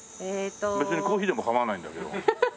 別にコーヒーでも構わないんだけど。